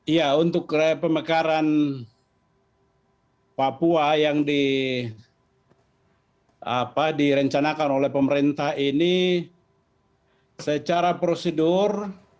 ya untuk pemekaran papua yang direncanakan oleh pemerintah ini secara prosedur